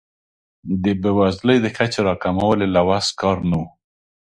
د بیوزلۍ د کچې راکمول یې له وس کار نه و.